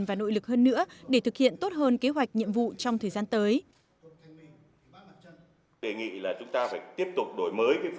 và nội lực hơn nữa để thực hiện tốt hơn kế hoạch nhiệm vụ trong thời gian tới